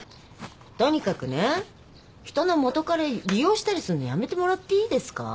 とにかくね人の元カレ利用したりすんのやめてもらっていいですか？